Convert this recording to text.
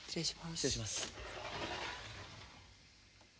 失礼します。